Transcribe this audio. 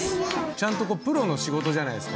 ちゃんとプロの仕事じゃないですか。